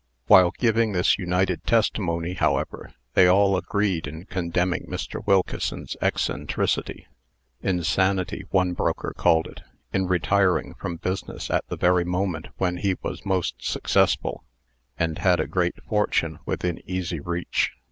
While giving this united testimony, however, they all agreed in condemning Mr. Wilkeson's eccentricity insanity, one broker called it in retiring from business at the very moment when he was most successful, and had a great fortune within easy reach.